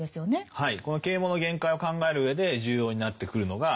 はい。